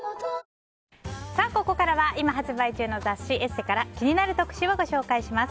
ここからは今発売中の雑誌「ＥＳＳＥ」から気になる特集をご紹介します。